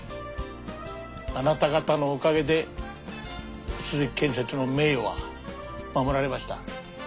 あなた方のおかげで鈴木建設の名誉は守られました。